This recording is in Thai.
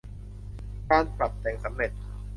การปรับแต่งสำเร็จ